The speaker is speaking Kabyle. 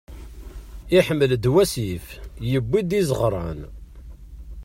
Iḥmel-d wasif, yuwi-d izeɣran.